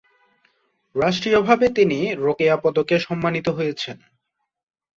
রাষ্ট্রীয়ভাবে তিনি 'রোকেয়া পদকে' সম্মানিত হয়েছেন।